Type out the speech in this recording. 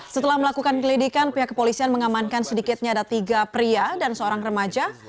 setelah melakukan gelidikan pihak kepolisian mengamankan sedikitnya ada tiga pria dan seorang remaja